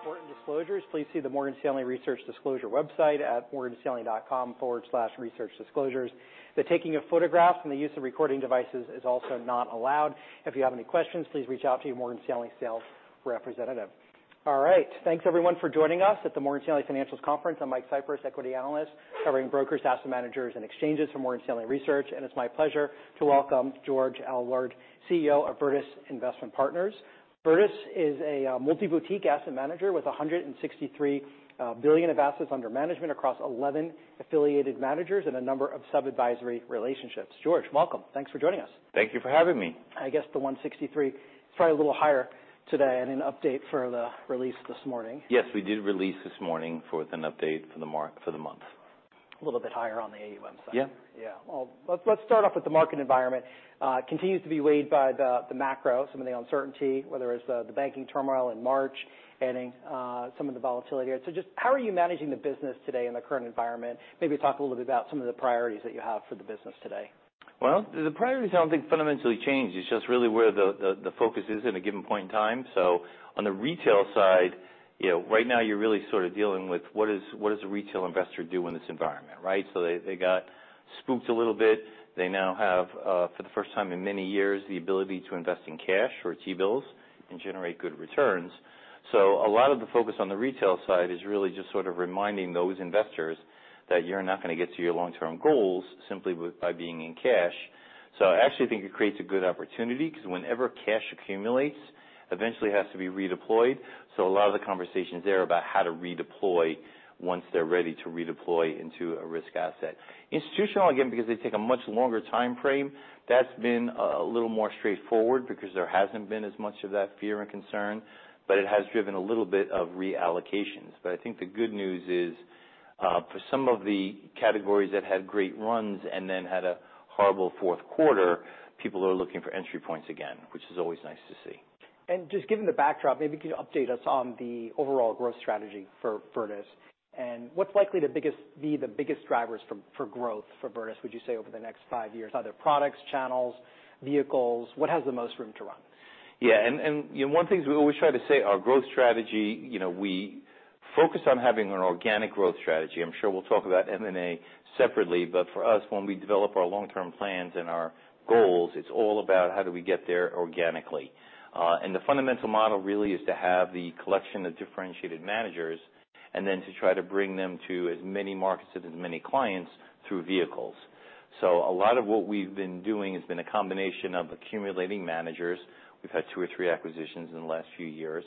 Important disclosures please see the Morgan Stanley Research Disclosure website at morganstanley.com/researchdisclosures. The taking of photographs and the use of recording devices is also not allowed. If you have any questions, please reach out to your Morgan Stanley sales representative. All right. Thanks, everyone, for joining us at the Morgan Stanley Financials Conference. I'm Michael Cyprys, Equity Analyst, Covering Brokers, Asset Managers, and Exchanges for Morgan Stanley Research. It's my pleasure to welcome George R. Aylward, CEO of Virtus Investment Partners. Virtus is a multi-boutique asset manager with $163 billion of assets under management across 11 affiliated managers and a number of sub-advisory relationships. George, welcome. Thanks for joining us. Thank you for having me. I guess the $163, it's probably a little higher today, and an update for the release this morning. Yes, we did release this morning with an update for the month. A little bit higher on the AUM side. Yeah. Well, let's start off with the market environment. continues to be weighed by the macro, some of the uncertainty, whether it's the banking turmoil in March, adding some of the volatility here. Just how are you managing the business today in the current environment? Maybe talk a little bit about some of the priorities that you have for the business today. Well, the priorities I don't think fundamentally changed. It's just really where the focus is in a given point in time. On the retail side, you know, right now you're really sort of dealing with what does a retail investor do in this environment, right? They got spooked a little bit. They now have for the first time in many years, the ability to invest in cash or T-bills and generate good returns. A lot of the focus on the retail side is really just sort of reminding those investors that you're not gonna get to your long-term goals simply by being in cash. I actually think it creates a good opportunity, because whenever cash accumulates, eventually it has to be redeployed. A lot of the conversations there are about how to redeploy once they're ready to redeploy into a risk asset. Institutional, again, because they take a much longer time frame, that's been a little more straightforward because there hasn't been as much of that fear and concern, but it has driven a little bit of reallocations. I think the good news is, for some of the categories that had great runs and then had a horrible fourth quarter, people are looking for entry points again, which is always nice to see. Just given the backdrop, maybe you could update us on the overall growth strategy for Virtus, and what's likely be the biggest drivers for growth for Virtus, would you say, over the next five years? Are there products, channels, vehicles? What has the most room to run? Yeah, and, you know, one thing we always try to say, our growth strategy, you know, we focus on having an organic growth strategy. I'm sure we'll talk about M&A separately, but for us, when we develop our long-term plans and our goals, it's all about how do we get there organically. The fundamental model really is to have the collection of differentiated managers, and then to try to bring them to as many markets and as many clients through vehicles. A lot of what we've been doing has been a combination of accumulating managers. We've had two or three acquisitions in the last few years.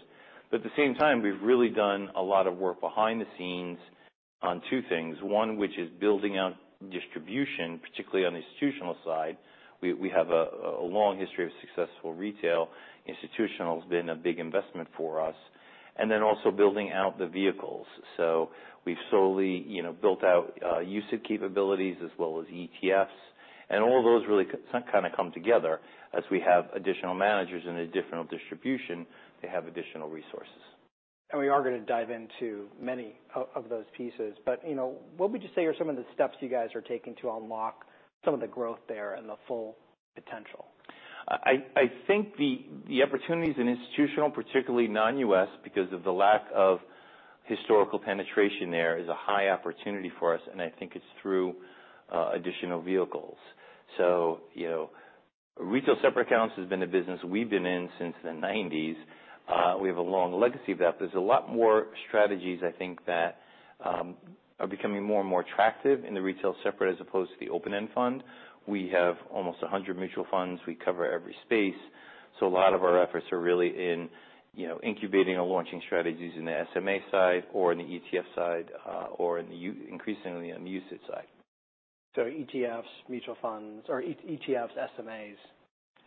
At the same time, we've really done a lot of work behind the scenes on two things: One, which is building out distribution, particularly on the institutional side. We have a long history of successful retail. Institutional has been a big investment for us. Then also building out the vehicles. We've solely, you know, built out UCITS capabilities as well as ETFs. All those really kind of come together as we have additional managers and a different distribution, they have additional resources. We are gonna dive into many of those pieces. You know, what would you say are some of the steps you guys are taking to unlock some of the growth there and the full potential? I think the opportunities in institutional, particularly non-U.S., because of the lack of historical penetration there, is a high opportunity for us, and I think it's through additional vehicles. You know, retail separate accounts has been a business we've been in since the nineties. We have a long legacy of that. There's a lot more strategies, I think, that are becoming more and more attractive in the retail separate as opposed to the open-end fund. We have almost 100 mutual funds. We cover every space, so a lot of our efforts are really in, you know, incubating or launching strategies in the SMA side or in the ETF side, or increasingly on the UCITS side. ETFs, mutual funds, or ETFs, SMAs.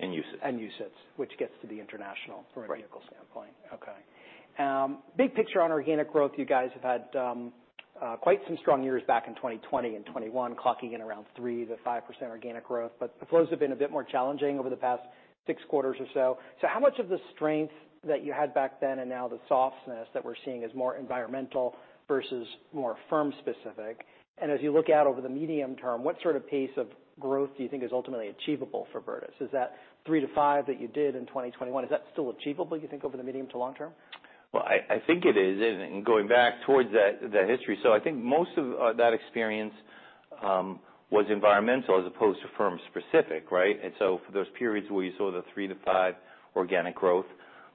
UCITS. UCITS, which gets to the international- Right -from a vehicle standpoint. Okay. Big picture on organic growth, you guys have had quite some strong years back in 2020 and 2021, clocking in around 3%-5% organic growth, but the flows have been a bit more challenging over the past six quarters or so. How much of the strength that you had back then and now the softness that we're seeing is more environmental versus more firm specific? As you look out over the medium term, what sort of pace of growth do you think is ultimately achievable for Virtus? Is that 3%-5% that you did in 2021, is that still achievable, do you think, over the medium to long term? I think it is, and going back towards that history. I think most of that experience was environmental as opposed to firm specific, right? For those periods where you saw the 3%-5% organic growth,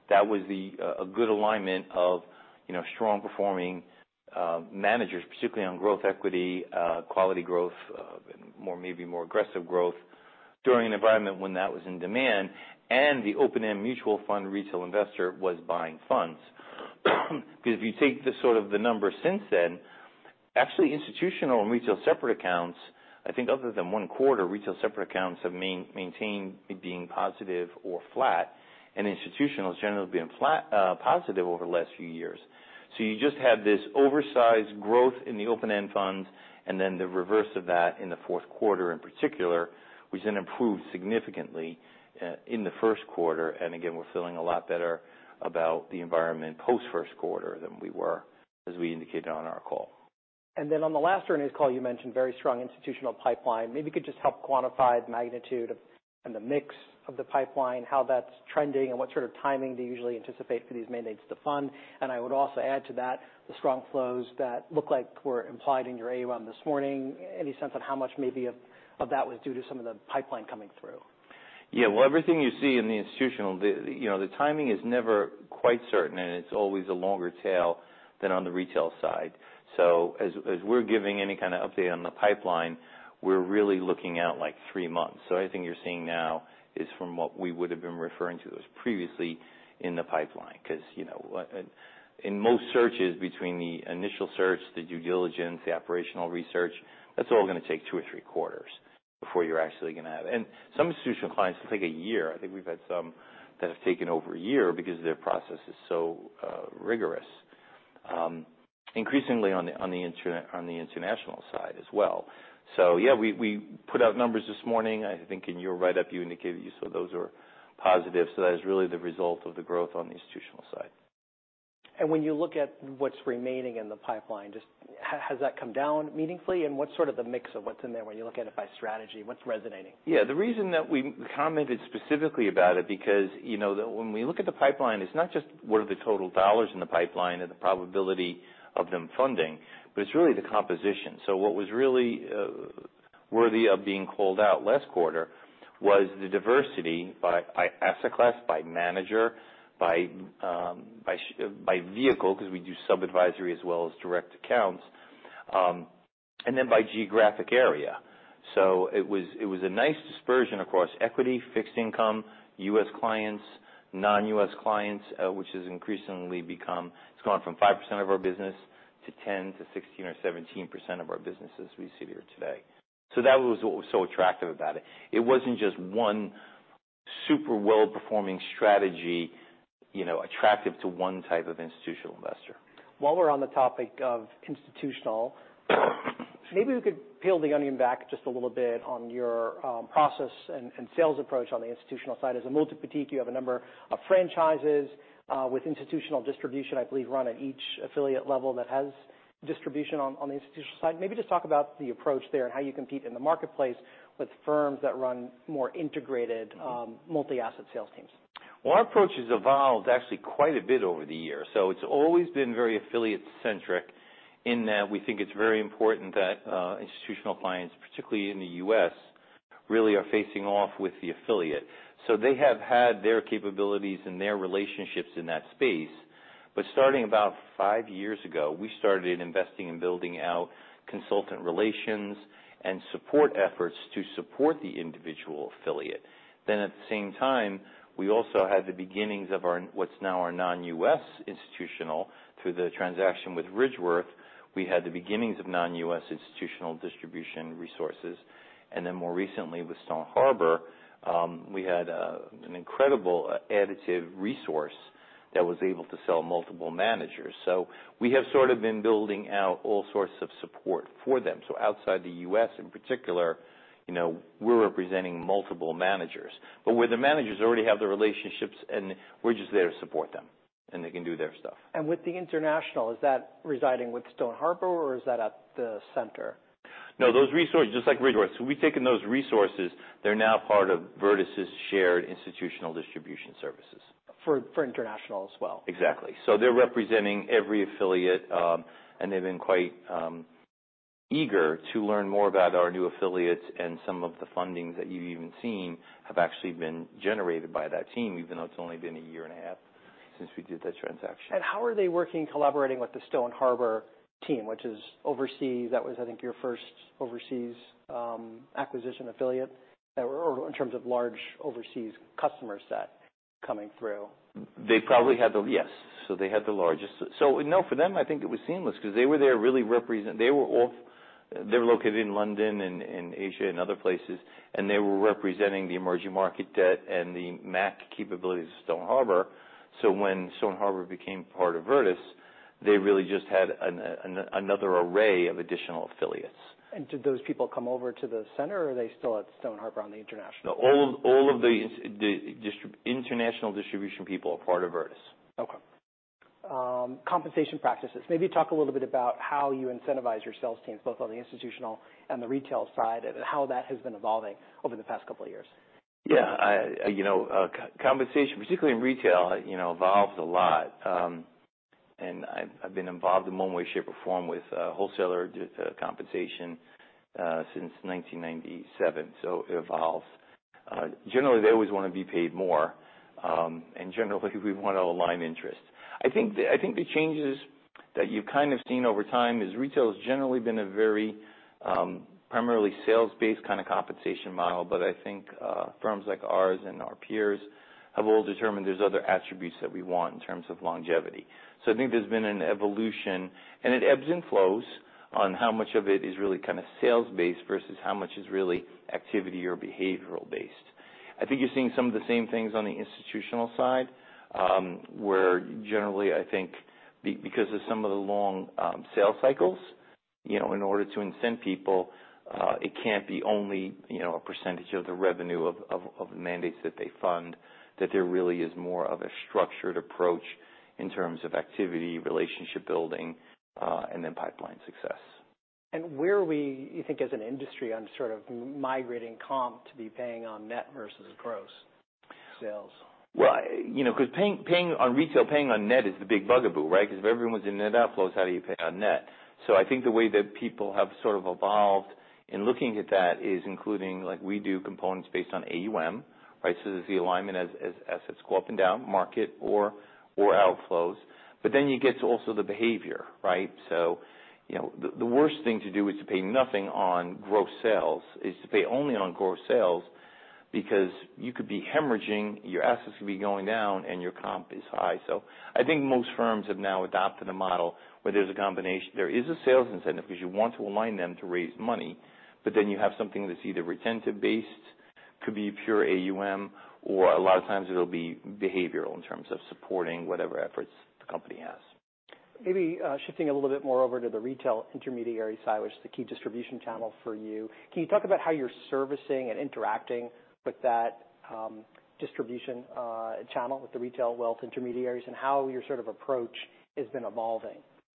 that was a good alignment of, you know, strong performing managers, particularly on growth equity, quality growth, maybe more aggressive growth, during an environment when that was in demand, and the open-end mutual fund retail investor was buying funds. If you take sort of the numbers since then, actually, institutional and retail separate accounts, I think other than one quarter, retail separate accounts have maintained being positive or flat, and institutional has generally been positive over the last few years. You just had this oversized growth in the open-end funds, and then the reverse of that in the fourth quarter in particular, which then improved significantly, in the first quarter. Again, we're feeling a lot better about the environment post first quarter than we were, as we indicated on our call. On the last earnings call, you mentioned very strong institutional pipeline. Maybe you could just help quantify the magnitude of, and the mix of the pipeline, how that's trending, and what sort of timing do you usually anticipate for these mandates to fund? I would also add to that, the strong flows that look like were implied in your AUM this morning. Any sense of how much maybe of that was due to some of the pipeline coming through? Well, everything you see in the institutional, you know, the timing is never quite certain, and it's always a longer tail than on the retail side. As we're giving any kind of update on the pipeline, we're really looking out, like, three months. Anything you're seeing now is from what we would have been referring to as previously in the pipeline. 'Cause, you know, in most searches between the initial search, the due diligence, the operational research, that's all gonna take two or three quarters before you're actually gonna have. Some institutional clients take a year. I think we've had some that have taken over a year because their process is so rigorous. Increasingly on the international side as well. Yeah, we put out numbers this morning. I think in your write-up, you indicated you saw those were positive, so that is really the result of the growth on the institutional side. When you look at what's remaining in the pipeline, just has that come down meaningfully? What's sort of the mix of what's in there when you look at it by strategy, what's resonating? Yeah, the reason that we commented specifically about it, because, you know, when we look at the pipeline, it's not just what are the total dollars in the pipeline and the probability of them funding, but it's really the composition. What was really worthy of being called out last quarter was the diversity by asset class, by manager, by vehicle, because we do sub-advisory as well as direct accounts, and then by geographic area. It was, it was a nice dispersion across equity, fixed income, U.S. clients, non-U.S. clients, which has increasingly It's gone from 5% of our business to 10%-16% or 17% of our business as we sit here today. That was what was so attractive about it. It wasn't just one super well-performing strategy, you know, attractive to one type of institutional investor. While we're on the topic of institutional, maybe we could peel the onion back just a little bit on your process and sales approach on the institutional side. As a multi-boutique, you have a number of franchises with institutional distribution, I believe, run at each affiliate level that has distribution on the institutional side. Maybe just talk about the approach there and how you compete in the marketplace with firms that run more integrated multi-asset sales teams? Our approach has evolved actually quite a bit over the years. It's always been very affiliate-centric in that we think it's very important that institutional clients, particularly in the U.S., really are facing off with the affiliate. They have had their capabilities and their relationships in that space. Starting about five years ago, we started investing in building out consultant relations and support efforts to support the individual affiliate. At the same time, we also had the beginnings of our, what's now our non-U.S. institutional. Through the transaction with RidgeWorth, we had the beginnings of non-U.S. institutional distribution resources. More recently, with Stone Harbor, we had an incredible additive resource that was able to sell multiple managers. We have sort of been building out all sorts of support for them. Outside the U.S., in particular, you know, we're representing multiple managers. Where the managers already have the relationships, and we're just there to support them, and they can do their stuff. With the international, is that residing with Stone Harbor, or is that at the center? No, those resources, just like RidgeWorth, so we've taken those resources, they're now part of Virtus' shared institutional distribution services. For international as well? Exactly. They're representing every affiliate, and they've been quite eager to learn more about our new affiliates, and some of the fundings that you've even seen have actually been generated by that team, even though it's only been a year and a half since we did that transaction. How are they working, collaborating with the Stone Harbor team, which is overseas? That was, I think, your first overseas acquisition affiliate, or in terms of large overseas customer set coming through? They probably had the largest. No, for them, I think it was seamless because they were there really representing the emerging market debt and the MAC capabilities of Stone Harbor. When Stone Harbor became part of Virtus, they really just had another array of additional affiliates. Did those people come over to the center, or are they still at Stone Harbor on the international? No, all of the international distribution people are part of Virtus. Compensation practices. Maybe talk a little bit about how you incentivize your sales teams, both on the institutional and the retail side, and how that has been evolving over the past couple of years. Yeah, I, you know, compensation, particularly in retail, you know, evolves a lot. I've been involved in one way, shape, or form with wholesaler compensation since 1997, so it evolves. Generally, they always want to be paid more, and generally, we want to align interests. I think the changes that you've kind of seen over time is retail has generally been a very, primarily sales-based kind of compensation model, but I think firms like ours and our peers have all determined there's other attributes that we want in terms of longevity. I think there's been an evolution, and it ebbs and flows on how much of it is really kind of sales-based versus how much is really activity or behavioral-based. I think you're seeing some of the same things on the institutional side, where generally, I think because of some of the long, sales cycles, you know, in order to incent people, it can't be only, you know, a percentage of the revenue of the mandates that they fund, that there really is more of a structured approach in terms of activity, relationship building, and then pipeline success. Where are we, you think, as an industry on sort of migrating comp to be paying on net versus gross sales? Well, you know, because paying on retail, paying on net is the big bugaboo, right? Because if everyone's in net outflows, how do you pay on net? I think the way that people have sort of evolved in looking at that is including, like we do, components based on AUM, right? There's the alignment as assets go up and down, market or outflows. You get to also the behavior, right? You know, the worst thing to do is to pay nothing on gross sales, is to pay only on gross sales because you could be hemorrhaging, your assets could be going down, and your comp is high. I think most firms have now adopted a model where there's a combination. There is a sales incentive because you want to align them to raise money. You have something that's either retentive-based, could be pure AUM, or a lot of times it'll be behavioral in terms of supporting whatever efforts the company has. Maybe, shifting a little bit more over to the retail intermediary side, which is the key distribution channel for you. Can you talk about how you're servicing and interacting with that, distribution, channel, with the retail wealth intermediaries, and how your sort of approach has been evolving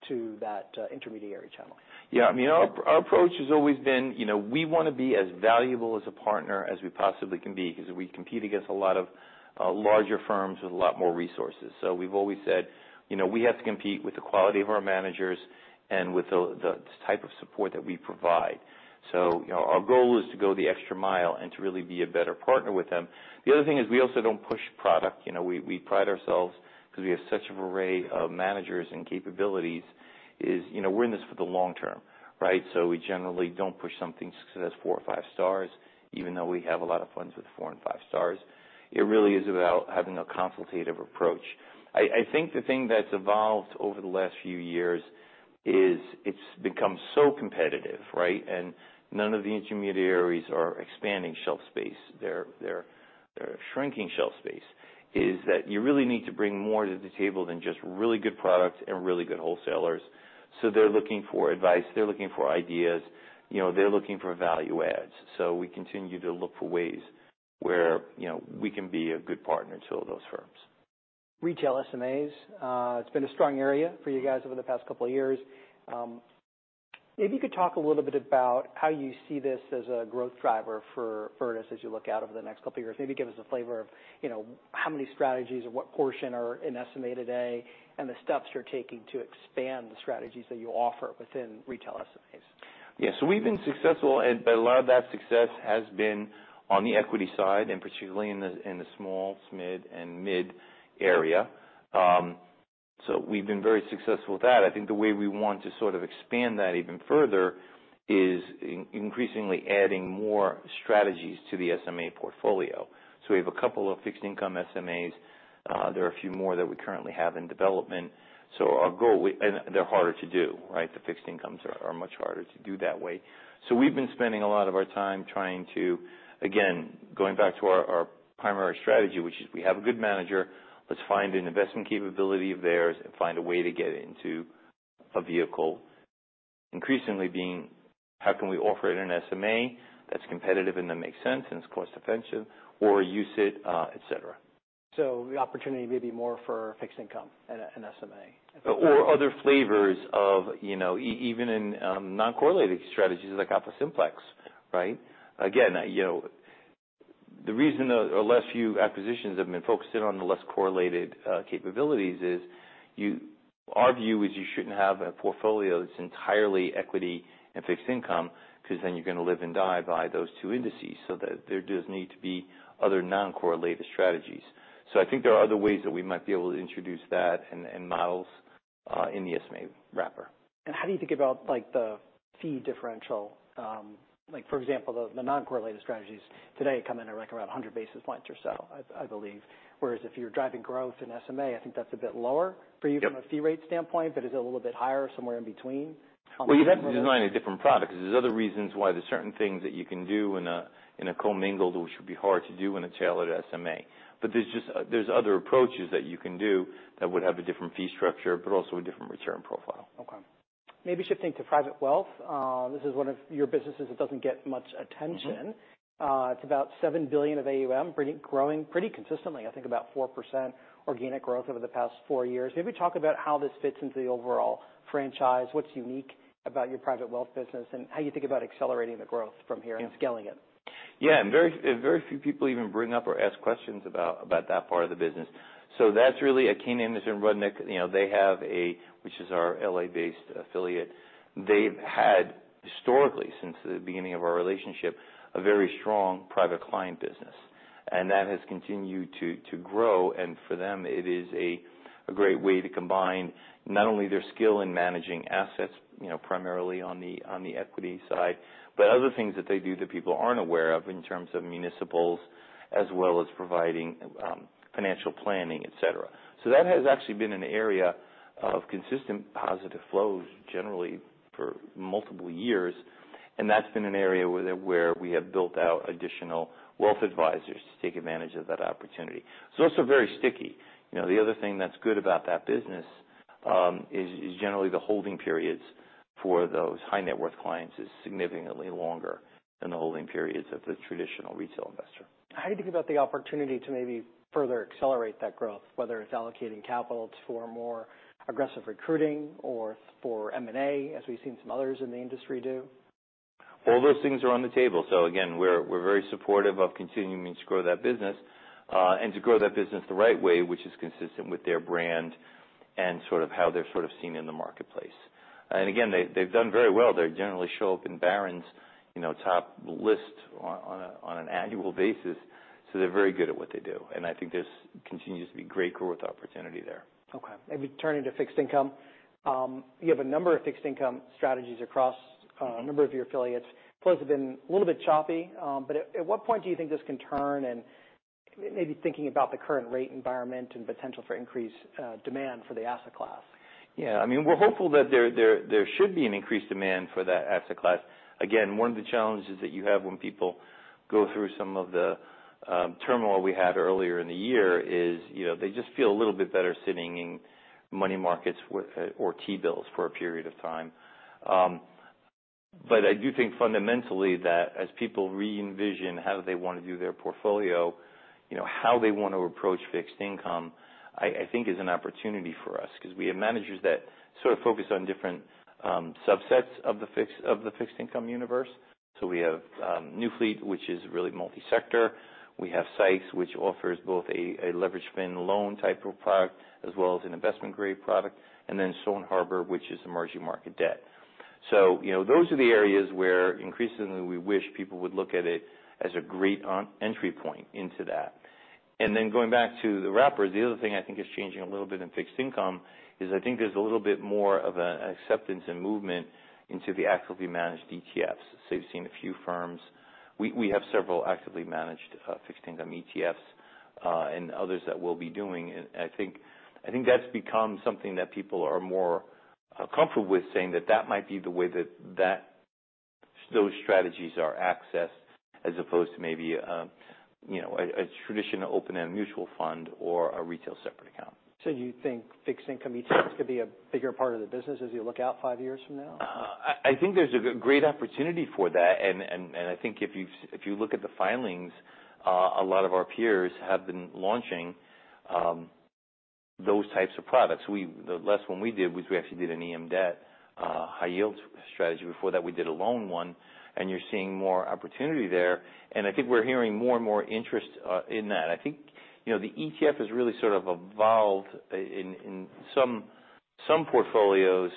to that, intermediary channel? I mean, our approach has always been, you know, we want to be as valuable as a partner as we possibly can be, because we compete against a lot of larger firms with a lot more resources. We've always said, you know, we have to compete with the quality of our managers and with the type of support that we provide. You know, our goal is to go the extra mile and to really be a better partner with them. The other thing is we also don't push product. You know, we pride ourselves because we have such an array of managers and capabilities, is, you know, we're in this for the long term, right? We generally don't push something just because it has four or five stars, even though we have a lot of funds with four and five stars. It really is about having a consultative approach. I think the thing that's evolved over the last few years is it's become so competitive, right? None of the intermediaries are expanding shelf space. They're shrinking shelf space, is that you really need to bring more to the table than just really good products and really good wholesalers. They're looking for advice, they're looking for ideas, you know, they're looking for value adds. We continue to look for ways where, you know, we can be a good partner to those firms. Retail SMAs, it's been a strong area for you guys over the past couple of years. Maybe you could talk a little bit about how you see this as a growth driver for Virtus as you look out over the next couple of years. Maybe give us a flavor of, you know, how many strategies or what portion are in SMA today, and the steps you're taking to expand the strategies that you offer within retail SMAs. Yeah, we've been successful, and a lot of that success has been on the equity side, and particularly in the, in the small, mid, and mid area. We've been very successful with that. I think the way we want to sort of expand that even further is increasingly adding more strategies to the SMA portfolio. We have a couple of fixed income SMAs. There are a few more that we currently have in development. Our goal. They're harder to do, right? The fixed incomes are much harder to do that way. We've been spending a lot of our time trying to, again, going back to our primary strategy, which is we have a good manager, let's find an investment capability of theirs and find a way to get it into a vehicle, increasingly being, how can we offer it in an SMA that's competitive, and that makes sense, and it's cost efficient or UCITS, et cetera. The opportunity may be more for fixed income in an SMA? Other flavors of, you know, even in non-correlated strategies like AlphaSimplex, right? Again, you know, the reason the our last few acquisitions have been focused in on the less correlated capabilities is. Our view is you shouldn't have a portfolio that's entirely equity and fixed income, because then you're going to live and die by those two indices, so that there does need to be other non-correlated strategies. I think there are other ways that we might be able to introduce that and models, in the SMA wrapper. How do you think about, like, the fee differential? Like, for example, the non-correlated strategies today come in at, like, around 100 basis points or so, I believe. Whereas if you're driving growth in SMA, I think that's a bit lower for you. Yep. From a fee rate standpoint, but is it a little bit higher, somewhere in between? You'd have to design a different product, because there's other reasons why there's certain things that you can do in a commingled, which would be hard to do in a tailored SMA. There's other approaches that you can do that would have a different fee structure, but also a different return profile. Okay. Maybe shifting to private wealth. This is one of your businesses that doesn't get much attention. Mm-hmm. It's about $7 billion of AUM, growing pretty consistently, I think about 4% organic growth over the past four years. Maybe talk about how this fits into the overall franchise, what's unique about your private wealth business, and how you think about accelerating the growth from here and scaling it. Yeah, very, very few people even bring up or ask questions about that part of the business. That's really a Kayne Anderson Rudnick. You know, they have a, which is our L.A.-based affiliate. They've had historically, since the beginning of our relationship, a very strong private client business. That has continued to grow, and for them, it is a great way to combine not only their skill in managing assets, you know, primarily on the equity side, but other things that they do that people aren't aware of in terms of municipals, as well as providing financial planning, et cetera. That has actually been an area of consistent positive flows, generally for multiple years, and that's been an area where we have built out additional wealth advisors to take advantage of that opportunity. It's also very sticky. You know, the other thing that's good about that business, is generally the holding periods for those high net worth clients is significantly longer than the holding periods of the traditional retail investor. How do you think about the opportunity to maybe further accelerate that growth, whether it's allocating capital for more aggressive recruiting or for M&A, as we've seen some others in the industry do? All those things are on the table. Again, we're very supportive of continuing to grow that business, and to grow that business the right way, which is consistent with their brand and sort of how they're seen in the marketplace. Again, they've done very well. They generally show up in Barron's, you know, top list on an annual basis. They're very good at what they do, and I think there's continues to be great growth opportunity there. Okay. Maybe turning to fixed income. You have a number of fixed income strategies. Mm-hmm. A number of your affiliates. Plus, have been a little bit choppy, at what point do you think this can turn? Maybe thinking about the current rate environment and potential for increased demand for the asset class. Yeah. I mean, we're hopeful that there should be an increased demand for that asset class. Again, one of the challenges that you have when people go through some of the turmoil we had earlier in the year is, you know, they just feel a little bit better sitting in money markets or T-bills for a period of time. But I do think fundamentally that as people re-envision how they want to do their portfolio, you know, how they want to approach fixed income, I think is an opportunity for us 'cause we have managers that sort of focus on different subsets of the fixed income universe. We have Newfleet, which is really multi-sector. We have Seix, which offers both a leveraged fund loan type of product as well as an investment-grade product, and then Stone Harbor, which is emerging market debt. You know, those are the areas where increasingly we wish people would look at it as a great entry point into that. Going back to the wrappers, the other thing I think is changing a little bit in fixed income is I think there's a little bit more of an acceptance and movement into the actively managed ETFs. You've seen a few firms. We have several actively managed fixed income ETFs and others that we'll be doing. I think that's become something that people are more comfortable with, saying that might be the way that those strategies are accessed as opposed to maybe, you know, a traditional open-end mutual fund or a retail separate account. You think fixed income ETFs could be a bigger part of the business as you look out five years from now? I think there's a great opportunity for that. I think if you look at the filings, a lot of our peers have been launching those types of products. The last one we did was we actually did an EM debt high yield strategy. Before that, we did a loan one. You're seeing more opportunity there. I think we're hearing more and more interest in that. I think, you know, the ETF has really sort of evolved in some portfolios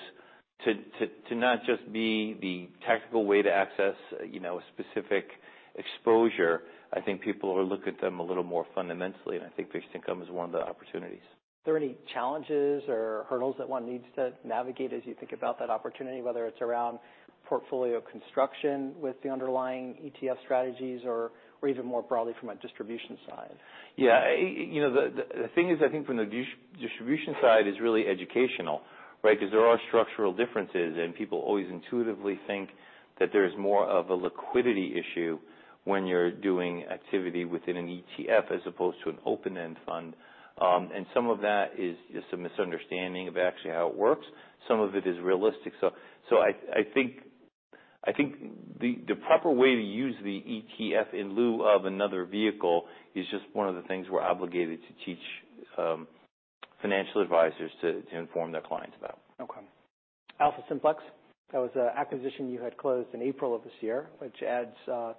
to not just be the tactical way to access, you know, a specific exposure. I think people are looking at them a little more fundamentally. I think fixed income is one of the opportunities. Are there any challenges or hurdles that one needs to navigate as you think about that opportunity, whether it's around portfolio construction with the underlying ETF strategies or even more broadly from a distribution side? You know, the thing is, I think from the distribution side, is really educational, right? There are structural differences, and people always intuitively think that there's more of a liquidity issue when you're doing activity within an ETF as opposed to an open-end fund. Some of that is just a misunderstanding of actually how it works. Some of it is realistic. I think the proper way to use the ETF in lieu of another vehicle is just one of the things we're obligated to teach financial advisors to inform their clients about. Okay. AlphaSimplex, that was an acquisition you had closed in April of this year, which adds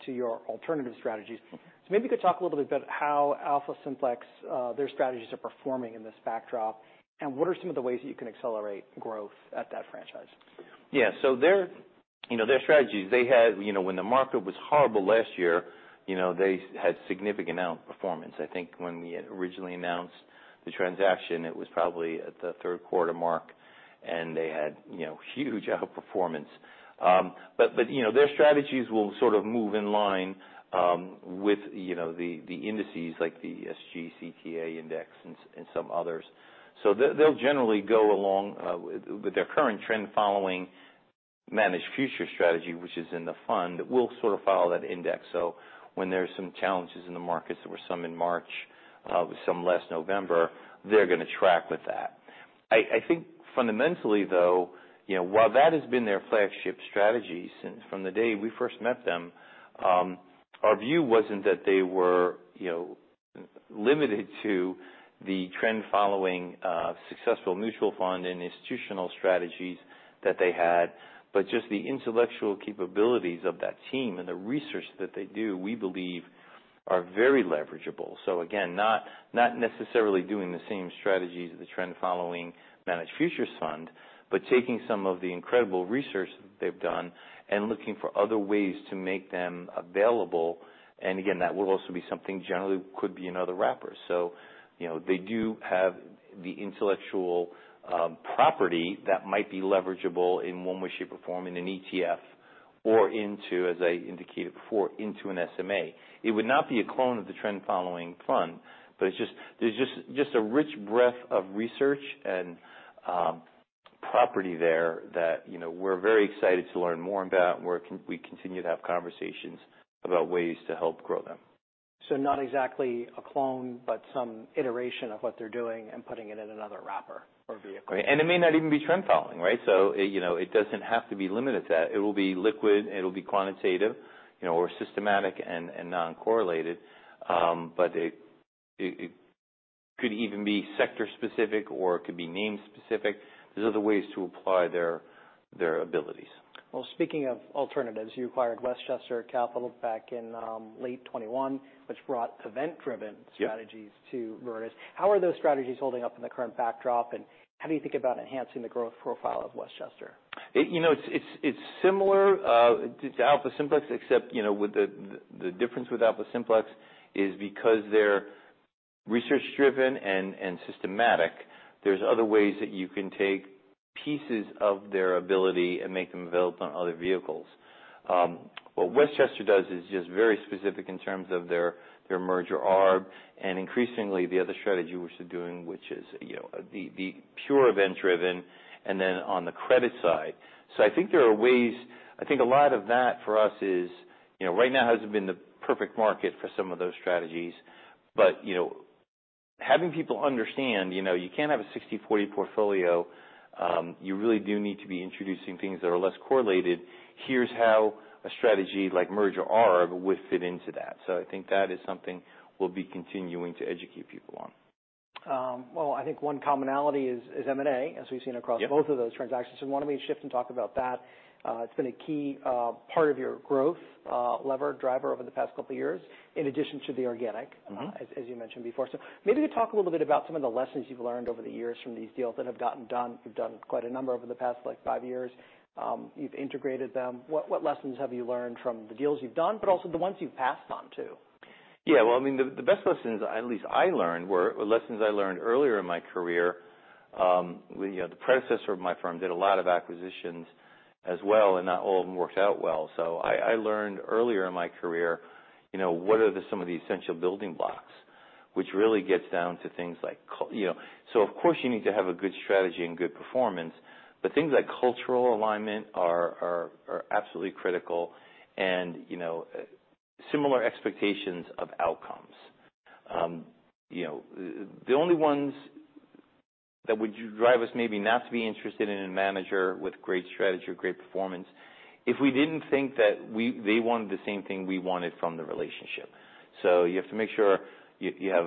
to your alternative strategies. Maybe you could talk a little bit about how AlphaSimplex, their strategies are performing in this backdrop, and what are some of the ways that you can accelerate growth at that franchise? Their, you know, their strategies. You know, when the market was horrible last year, you know, they had significant outperformance. I think when we had originally announced the transaction, it was probably at the third quarter mark, and they had, you know, huge outperformance. You know, their strategies will sort of move in line with, you know, the indices, like the SG CTA Index and some others. They'll generally go along with their current trend following managed future strategy, which is in the fund. We'll sort of follow that index, so when there's some challenges in the markets, there were some in March, some last November, they're gonna track with that. I think fundamentally, though, you know, while that has been their flagship strategy since from the day we first met them, our view wasn't that they were, you know, limited to the trend following, successful mutual fund and institutional strategies that they had, but just the intellectual capabilities of that team and the research that they do, we believe are very leverageable. Again, not necessarily doing the same strategies, the trend following managed futures fund, but taking some of the incredible research that they've done and looking for other ways to make them available. Again, that will also be something generally could be another wrapper. You know, they do have the intellectual property that might be leverageable in one way, shape, or form in an ETF or into, as I indicated before, into an SMA. It would not be a clone of the trend following fund, but there's just a rich breadth of research and property there that, you know, we continue to have conversations about ways to help grow them. Not exactly a clone, but some iteration of what they're doing and putting it in another wrapper or vehicle. It may not even be trend following, right? You know, it doesn't have to be limited to that. It will be liquid, it'll be quantitative, you know, or systematic and non-correlated. But it could even be sector specific or it could be name specific. There's other ways to apply their abilities. Well, speaking of alternatives, you acquired Westchester Capital back in late 2021, which brought event-driven. Yeah strategies to Virtus. How are those strategies holding up in the current backdrop, and how do you think about enhancing the growth profile of Westchester? It, you know, it's similar to AlphaSimplex, except, you know, with the difference with AlphaSimplex is because they're research-driven and systematic, there's other ways that you can take pieces of their ability and make them available on other vehicles. What Westchester does is just very specific in terms of their merger arb and increasingly the other strategy which they're doing, which is, you know, the pure event-driven, and then on the credit side. I think there are ways. I think a lot of that for us is, you know, right now hasn't been the perfect market for some of those strategies. You know, having people understand, you know, you can't have a 60/40 portfolio, you really do need to be introducing things that are less correlated. Here's how a strategy like merger arb would fit into that. I think that is something we'll be continuing to educate people on. Well, I think one commonality is M&A, as we've seen. Yep both of those transactions. Why don't we shift and talk about that? It's been a key part of your growth lever driver over the past couple of years, in addition to the organic- Mm-hmm -as, as you mentioned before. Maybe talk a little bit about some of the lessons you've learned over the years from these deals that have gotten done. You've done quite a number over the past, like, five years. You've integrated them. What lessons have you learned from the deals you've done, but also the ones you've passed on, too? Yeah, well, I mean, the best lessons, at least I learned, were lessons I learned earlier in my career. You know, the predecessor of my firm did a lot of acquisitions as well, and not all of them worked out well. I learned earlier in my career, you know, what are some of the essential building blocks, which really gets down to things like you know. Of course, you need to have a good strategy and good performance, but things like cultural alignment are absolutely critical and, you know, similar expectations of outcomes. You know, the only ones that would drive us maybe not to be interested in a manager with great strategy or great performance, if we didn't think that they wanted the same thing we wanted from the relationship. You have to make sure you have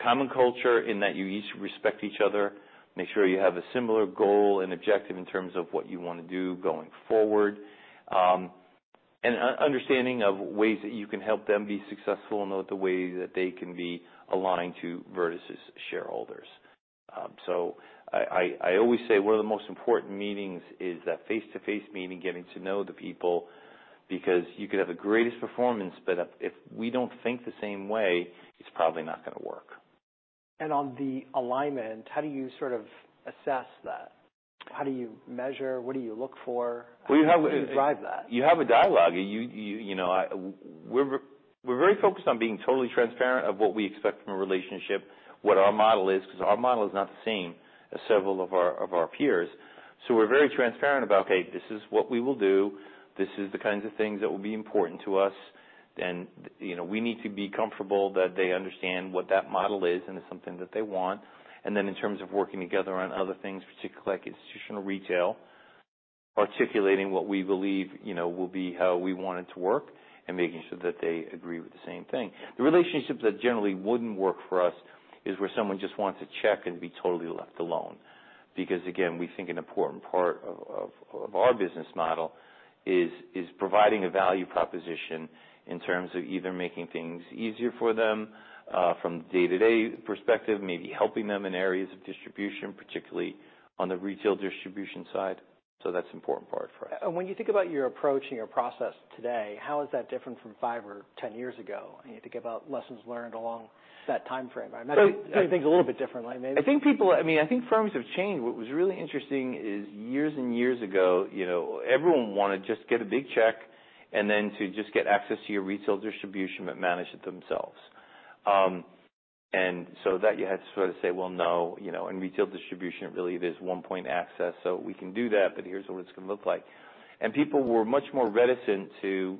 common culture in that you each respect each other, make sure you have a similar goal and objective in terms of what you want to do going forward, and understanding of ways that you can help them be successful and know the way that they can be aligned to Virtus' shareholders. I always say one of the most important meetings is that face-to-face meeting, getting to know the people, because you could have the greatest performance, but if we don't think the same way, it's probably not going to work. On the alignment, how do you sort of assess that? How do you measure? What do you look for? Well, you have. How do you drive that? You have a dialogue. You know, we're very focused on being totally transparent of what we expect from a relationship, what our model is, because our model is not the same as several of our peers. We're very transparent about, "Hey, this is what we will do. This is the kinds of things that will be important to us. You know, we need to be comfortable that they understand what that model is, and it's something that they want." Then in terms of working together on other things, particularly like institutional retail, articulating what we believe, you know, will be how we want it to work, and making sure that they agree with the same thing. The relationships that generally wouldn't work for us is where someone just wants a check and be totally left alone. Again, we think an important part of our business model is providing a value proposition in terms of either making things easier for them, from a day-to-day perspective, maybe helping them in areas of distribution, particularly on the retail distribution side. That's an important part for us. When you think about your approach and your process today, how is that different from five or 10 years ago? You think about lessons learned along that time frame. I think things are a little bit differently maybe. I think people, I mean, I think firms have changed. What was really interesting is years and years ago, you know, everyone wanted to just get a big check and then to just get access to your retail distribution, but manage it themselves. So that you had to sort of say, "Well, no, you know, in retail distribution, it really there's one point access, so we can do that, but here's what it's going to look like." People were much more reticent to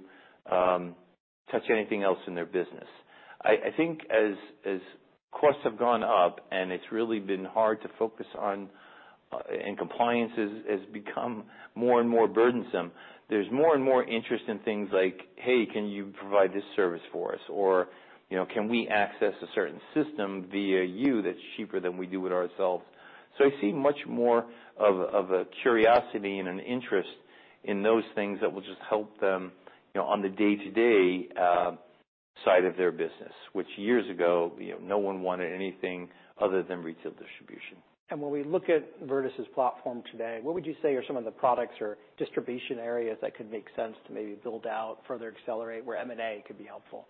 touch anything else in their business. I think as costs have gone up, it's really been hard to focus on, and compliance has become more and more burdensome, there's more and more interest in things like, "Hey, can you provide this service for us?" You know, "Can we access a certain system via you that's cheaper than we do it ourselves?" I see much more of a curiosity and an interest in those things that will just help them, you know, on the day-to-day side of their business, which years ago, you know, no one wanted anything other than retail distribution. When we look at Virtus' platform today, what would you say are some of the products or distribution areas that could make sense to maybe build out, further accelerate, where M&A could be helpful?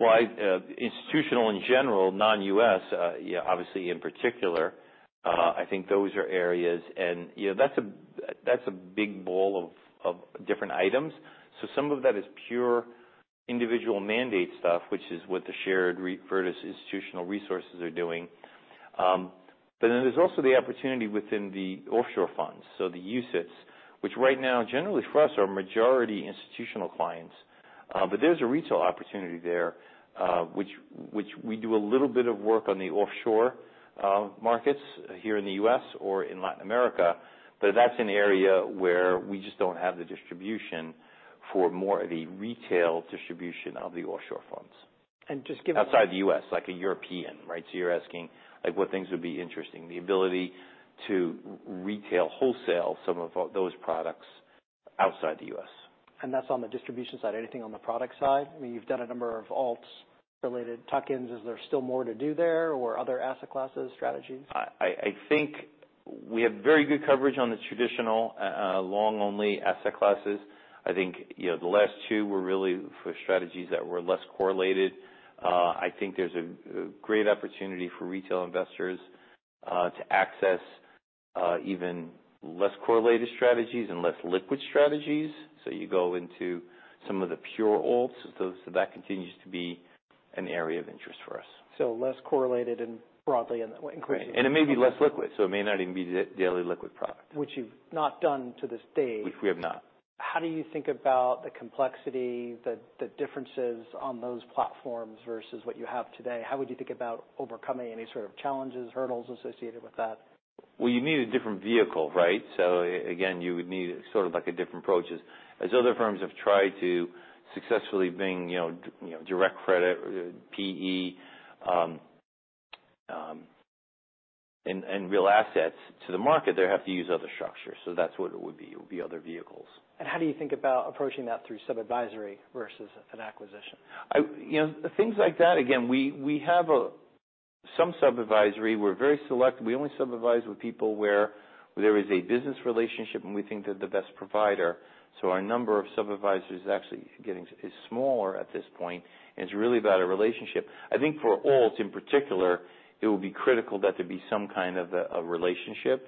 Well, I institutional in general, non-U.S., obviously in particular, I think those are areas and, you know, that's a big bowl of different items. Some of that is pure individual mandate stuff, which is what the shared Virtus institutional resources are doing. Then there's also the opportunity within the offshore funds, so the UCITS, which right now, generally for us, are majority institutional clients. There's a retail opportunity there, which we do a little bit of work on the offshore markets here in the U.S. or in Latin America, but that's an area where we just don't have the distribution for more of a retail distribution of the offshore funds. Just. Outside the U.S., like a European, right? You're asking, like, what things would be interesting. The ability to retail wholesale some of all those products outside the U.S. That's on the distribution side. Anything on the product side? I mean, you've done a number of alts related tuck-ins. Is there still more to do there or other asset classes, strategies? I think we have very good coverage on the traditional, long-only asset classes. I think, you know, the last two were really for strategies that were less correlated. I think there's a great opportunity for retail investors to access even less correlated strategies and less liquid strategies. You go into some of the pure alts. That continues to be an area of interest for us. less correlated and broadly in that way. It may be less liquid, so it may not even be a daily liquid product. Which you've not done to this day. Which we have not. How do you think about the complexity, the differences on those platforms versus what you have today? How would you think about overcoming any sort of challenges, hurdles associated with that? Well, you need a different vehicle, right? Again, you would need sort of like a different approaches. As other firms have tried to successfully bring, you know, direct credit, PE, and real assets to the market, they have to use other structures, That's what it would be. It would be other vehicles. How do you think about approaching that through sub-advisory versus an acquisition? You know, things like that, again, we have some sub-advisory. We're very select. We only sub-advise with people where there is a business relationship, and we think they're the best provider. Our number of sub-advisors is actually smaller at this point, and it's really about a relationship. I think for alts, in particular, it will be critical that there be some kind of a relationship,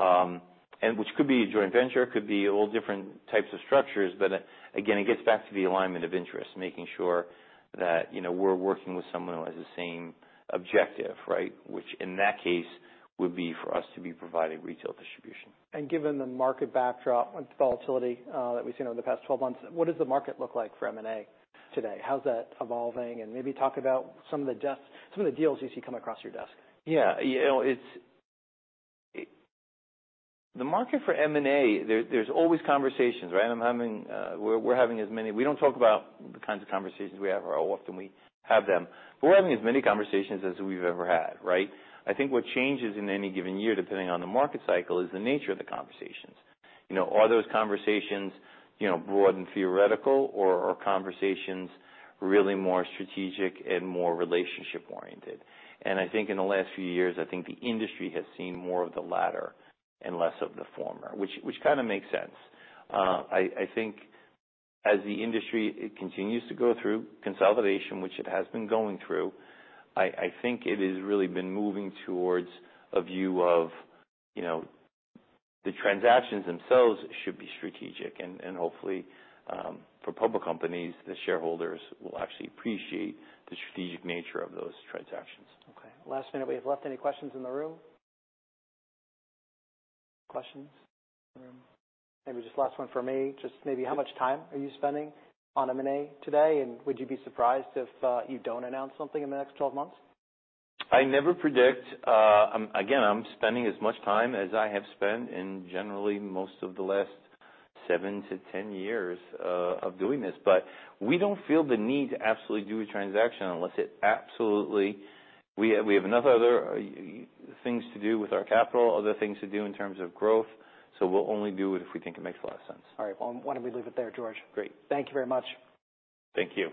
and which could be a joint venture, could be all different types of structures. Again, it gets back to the alignment of interest, making sure that, you know, we're working with someone who has the same objective, right? Which, in that case, would be for us to be providing retail distribution. Given the market backdrop and volatility, that we've seen over the past 12 months, what does the market look like for M&A today? How's that evolving? Maybe talk about some of the deals you see come across your desk. Yeah. You know, it's. The market for M&A, there's always conversations, right? We don't talk about the kinds of conversations we have or how often we have them, but we're having as many conversations as we've ever had, right? I think what changes in any given year, depending on the market cycle, is the nature of the conversations. You know, are those conversations, you know, broad and theoretical, or conversations really more strategic and more relationship-oriented? I think in the last few years, I think the industry has seen more of the latter and less of the former, which kind of makes sense. I think as the industry continues to go through consolidation, which it has been going through, I think it has really been moving towards a view of, you know, the transactions themselves should be strategic. Hopefully, for public companies, the shareholders will actually appreciate the strategic nature of those transactions. Okay, last minute we have left, any questions in the room? Questions in the room? Maybe just last one from me. Just maybe how much time are you spending on M&A today, and would you be surprised if you don't announce something in the next 12 months? I never predict. again, I'm spending as much time as I have spent in generally most of the last 7-10 years of doing this. We don't feel the need to absolutely do a transaction unless it absolutely. We have enough other things to do with our capital, other things to do in terms of growth. We'll only do it if we think it makes a lot of sense. All right. Well, why don't we leave it there, George? Great. Thank you very much. Thank you.